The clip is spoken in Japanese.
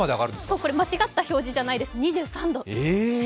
そう、これ間違った表示じゃないです、２３度。